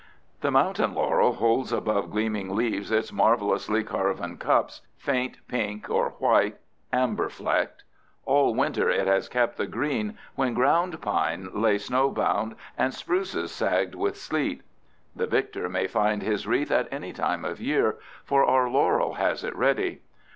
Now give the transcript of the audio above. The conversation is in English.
The mountain laurel holds above gleaming leaves its marvelously carven cups, faint pink or white, amber flecked. All winter it has kept the green, when ground pine lay snowbound and spruces sagged with sleet. The victor may find his wreath at any time of year, for our laurel has it ready.